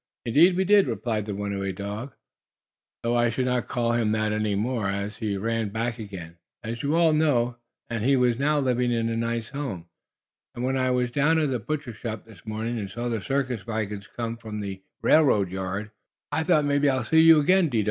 "Indeed we did!" replied the runaway dog, though I should not call him that any more, as he had run back again, as you all know, and was now living in a nice home. "And when I was down at the butcher shop this morning and saw the circus wagons come from the railroad yard," went on Don, "I thought maybe I'd see you again, Dido.